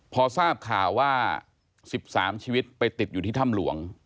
พอทราบข่าวว่า๑๓ชีวิตไปติดอยู่ที่ถ้ำหลวง